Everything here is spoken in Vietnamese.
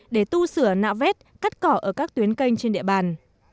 để tu sửa nạo vét cắt cỏ ở các tuyến canh trên địa bàn